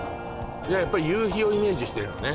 やっぱ夕日をイメージしてるのね